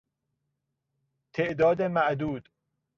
تعداد معدود